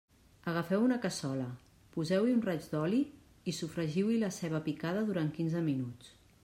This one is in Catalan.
Agafeu una cassola, poseu-hi un raig d'oli i sofregiu-hi la ceba picada durant quinze minuts.